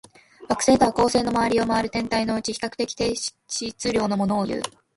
惑星とは、恒星の周りを回る天体のうち、比較的低質量のものをいう。